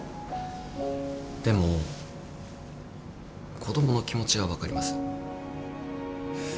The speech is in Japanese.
でも子供の気持ちは分かります。